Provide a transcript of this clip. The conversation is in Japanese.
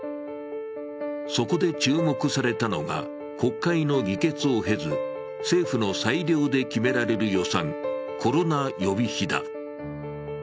そこで注目されたのが国会の議決を経ず政府の裁量で決められる予算、コロナ予備費だ。